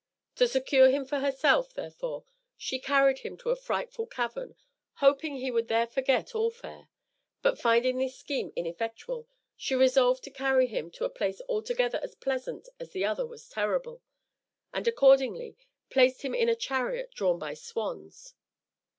To secure him for herself, therefore, she carried him to a frightful cavern, hoping he would there forget All Fair. But finding this scheme ineffectual, she resolved to carry him to a place altogether as pleasant as the other was terrible; and accordingly placed him in a chariot drawn by swans.